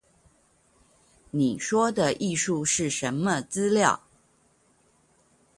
你說的藝術是什麼資料？